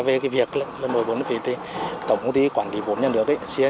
về việc nội vốn của tổng công ty quản lý vốn nhà nước scic cũng đã thoái vốn